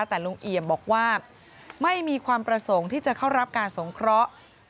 แต่ลุงเอี่ยมบอกว่าไม่มีความประสงค์ที่จะเข้ารับการสงเคราะห์